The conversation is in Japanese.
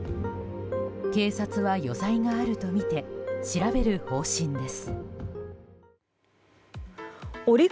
警察は余罪があるとみて調べる方針です。